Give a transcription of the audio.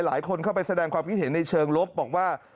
หลายคนเข้าไปแสดงความคิดเห็นในเชิงลบบอกว่า